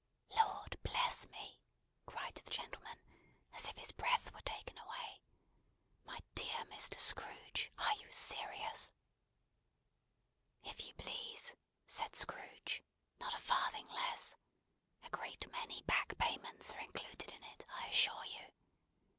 "Lord bless me!" cried the gentleman, as if his breath were taken away. "My dear Mr. Scrooge, are you serious?" "If you please," said Scrooge. "Not a farthing less. A great many back payments are included in it, I assure you.